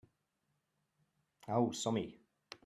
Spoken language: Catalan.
Au, som-hi.